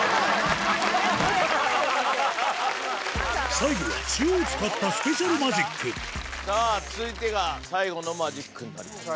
最後は塩を使ったスペシャルマジックさぁ続いてが最後のマジックになります。